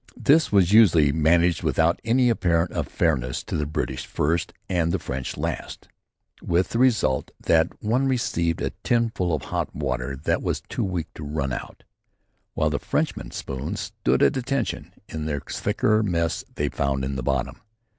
This was usually managed without any apparent unfairness by serving the British first and the French last, with the result that the one received a tin full of hot water that was too weak to run out, while the Frenchmen's spoons stood to attention in the thicker mess they found in the bottom.